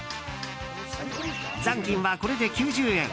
残金は、これで９０円。